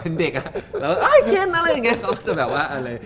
เป็นเด็กอ่ะเค็นอะไรอย่างนี้